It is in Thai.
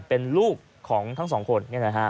เป็นลูกของทั้งสองคน